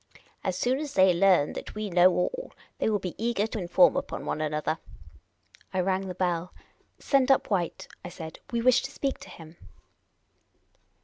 As soon as they learn that we know all, they will be eager to inform upon one another." I raifg the bell. " Send up White," I said. " We wish to speak to him."